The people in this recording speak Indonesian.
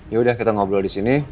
ya udah kita ngobrol disini